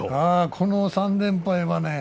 この３連敗はね